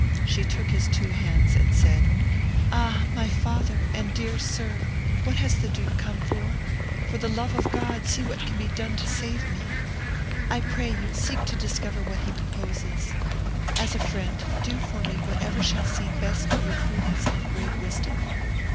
She took his two hands and said, "Ah, my father, and dear sir, what has the duke come for? for the love of God see what can be done to save me! I pray you, seek to discover what he proposes. As a friend, do for me whatever shall seem best to your prudence and great wisdom."